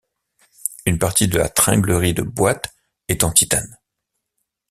Une partie de la tringlerie de boite est en titane.